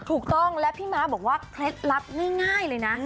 ถูกต้องและพี่ม้าบอกว่าเคล็ดลับง่ายเลยนะ